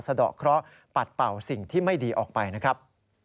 สะดอกเคราะห์ปัดเป่าสิ่งที่ไม่ดีออกไปนะครับ